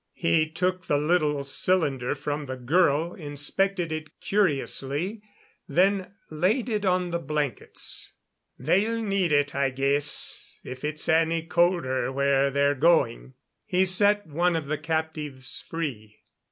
He took the little cylinder from the girl, inspected it curiously, then laid it on the blankets. "They'll need it, I guess, if it's any colder where they're going." He set one of the captives free.